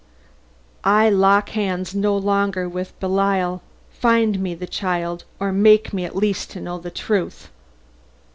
I lock hands no longer with Belial. Find me the child, or make me at least to know the truth!"